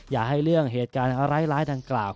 อย่าให้เรื่องเหตุการณ์ร้ายดังกล่าว